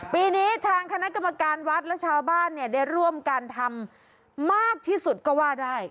ปีนี้ทางคณะกรรมการวัดและชาวบ้านเนี่ยได้ร่วมการทำมากที่สุดก็ว่าได้